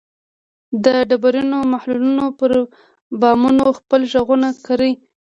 د ډبرینو محلونو پر بامونو خپل ږغونه کري